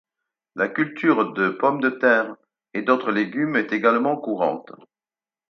La culture de pommes de terre et d’autres légumes est également courante.